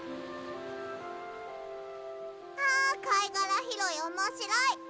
あかいがらひろいおもしろい。